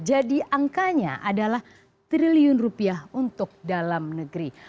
jadi angkanya adalah triliun rupiah untuk dalam negeri